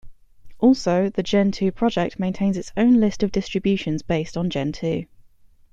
Also, the Gentoo project maintains its own list of distributions based on Gentoo.